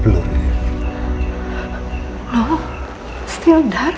belum masih gelap